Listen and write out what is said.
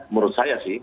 menurut saya sih